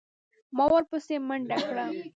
ما ورپسې منډه کړه.